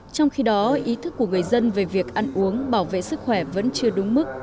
trong khi đó ý thức của người dân về việc ăn uống bảo vệ sức khỏe vẫn chưa đúng mức